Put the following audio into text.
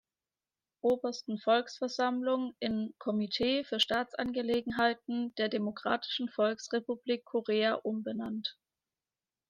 Obersten Volksversammlung in "Komitee für Staatsangelegenheiten der Demokratischen Volksrepublik Korea" umbenannt.